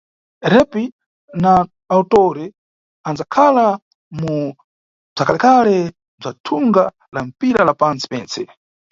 Rapper na actor anʼdzakhala mu bzwakalekale bzwa thunga la mpira la pantsi pentse.